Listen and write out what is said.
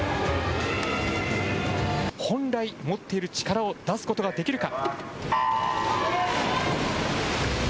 本来持っている力を出すことができるか。